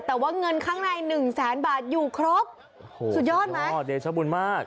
แต่ว่าเงินข้างในหนึ่งแสนบาทอยู่ครบสุดยอดไหมโอ้โหสุดยอดเดชบุญมาก